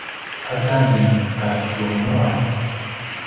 aza i kadjumuan